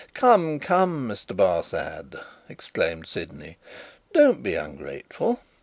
"Come, come, Mr. Barsad!" exclaimed Sydney. "Don't be ungrateful.